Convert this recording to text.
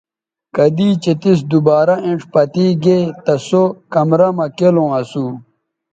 کدی چہء تِس دوبارہ اینڇ پتے گے تہ سو کمرہ مہ کیلوں اسو